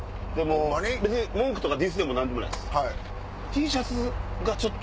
別に文句とかディスでも何でもないです。